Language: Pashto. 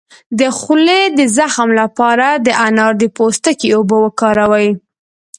د خولې د زخم لپاره د انار د پوستکي اوبه وکاروئ